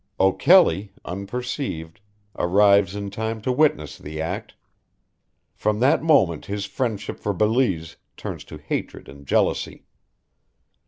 O'Kelly, unperceived, arrives in time to witness the act. From that moment his friendship for Belize turns to hatred and jealousy.